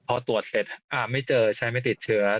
พอตรวจเสร็จไม่เจอใช้ไม่ติดเชื้อ